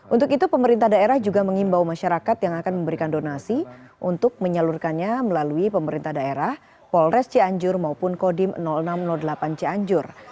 untuk itu pemerintah daerah juga mengimbau masyarakat yang akan memberikan donasi untuk menyalurkannya melalui pemerintah daerah polres cianjur maupun kodim enam ratus delapan cianjur